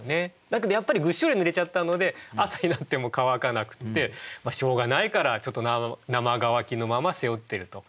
だけどやっぱりぐっしょりぬれちゃったので朝になっても乾かなくってしょうがないからちょっと生乾きのまま背負ってると。